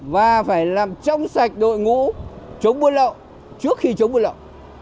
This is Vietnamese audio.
và phải làm trong sạch đội ngũ chống buôn lậu trước khi chống buôn lậu